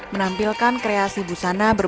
menampilkan kreasi busana berbentuk yang sangat menarik